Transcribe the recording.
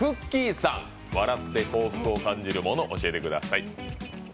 さん、「笑って幸福を感じるもの」教えてください。